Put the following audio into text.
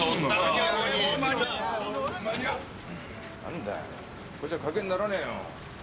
なんだよこれじゃ賭けにならねえよ。